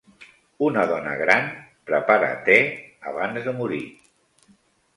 Una dona gran prepara te abans de morir.